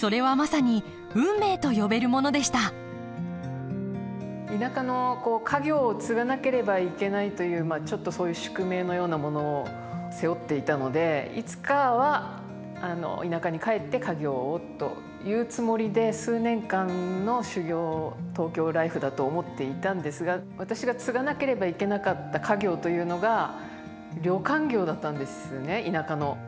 それはまさに運命と呼べるものでした田舎の家業を継がなければいけないというちょっとそういう宿命のようなものを背負っていたのでいつかは田舎に帰って家業をというつもりで数年間の修業東京ライフだと思っていたんですが私が継がなければいけなかった家業というのが旅館業だったんですね田舎の。